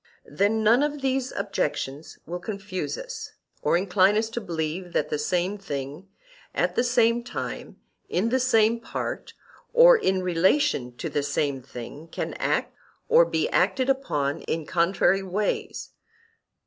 Then none of these objections will confuse us, or incline us to believe that the same thing at the same time, in the same part or in relation to the same thing, can act or be acted upon in contrary ways.